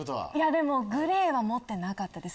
でもグレーは持ってなかったです。